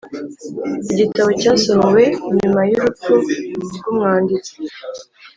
igitabo cyasohowe nyuma yurupfu rwumwanditsi.